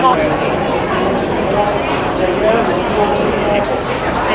นี่แบบสิ